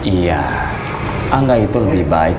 iya angga itu lebih baik